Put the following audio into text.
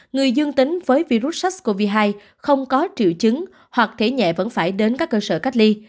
người dương tính với virus sars cov hai không có triệu chứng hoặc thể nhẹ vẫn phải đến các cơ sở cách ly